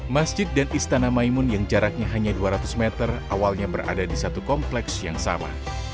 masjid dan istana maimun yang jaraknya hanya dua ratus meter awalnya berada di satu kompleks yang sama